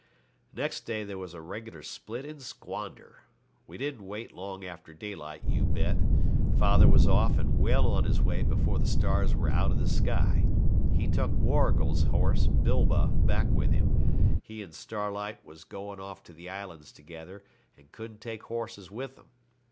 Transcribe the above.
Next day there was a regular split and squander. We didn't wait long after daylight, you bet. Father was off and well on his way before the stars were out of the sky. He took Warrigal's horse, Bilbah, back with him; he and Starlight was going off to the islands together, and couldn't take horses with them.